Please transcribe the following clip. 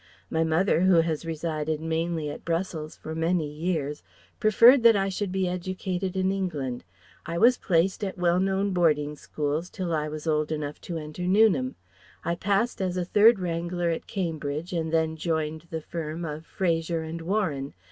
My mother who has resided mainly at Brussels for many years preferred that I should be educated in England. I was placed at well known boarding schools till I was old enough to enter Newnham. I passed as a Third Wrangler at Cambridge and then joined the firm of Fraser and Warren.